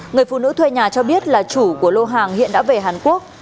người phụ nữ thuê nhà cho biết là chủ của lô hàng hiện đã về hàn quốc